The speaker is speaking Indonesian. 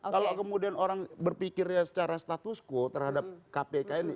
kalau kemudian orang berpikirnya secara status quo terhadap kpk ini